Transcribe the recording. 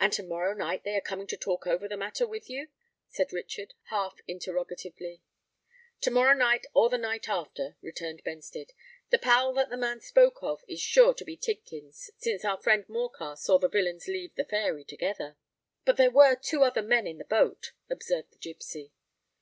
"And to morrow night they are coming to talk over the matter with you?" said Richard, half interrogatively. "To morrow night, or the night after," returned Benstead. "The pal that the man spoke of is sure to be Tidkins, since our friend Morcar saw the villains leave the Fairy together." "But there were two other men in the boat," observed the gipsy.